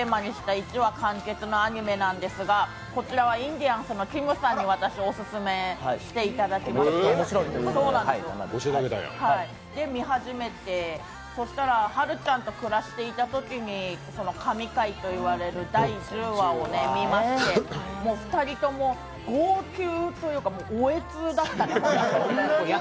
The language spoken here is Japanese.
１話完結のアニメなんですが、こちらはインディアンスのきむさんにオススメしていただきましてそれで見始めて、そうしたらはるちゃんと暮らしていたときに神回といわれる第１０話を見まして２人とも号泣というか、もうおえつだった。